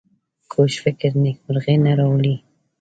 کوږ فکر نېکمرغي نه راولي